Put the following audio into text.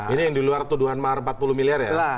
ini yang di luar tuduhan mahar empat puluh miliar ya